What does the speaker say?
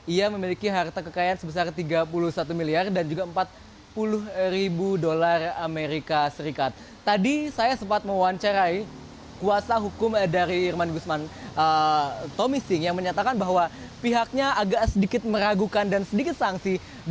ia memiliki harta kekayaan sebesar rp tiga puluh satu miliar dan juga rp empat puluh ribu amerika serikat